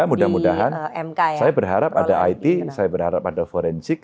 mudah mudahan saya berharap ada it saya berharap ada forensik